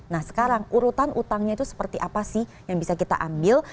nah sekarang urutan utangnya itu seperti apa sih yang bisa kita ambil